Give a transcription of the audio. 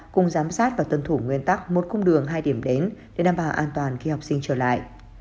cùng giám sát và tuân thủ nguyên tắc một cung đường hai điểm đến để đảm bảo an toàn khi học sinh trở lại